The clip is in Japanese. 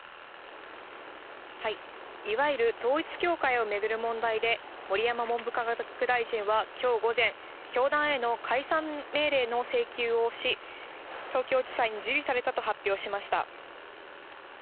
いわゆる統一教会を巡る問題で、盛山文部科学大臣はきょう午前、教団への解散命令の請求をし、東京地裁に受理されたと発表しました。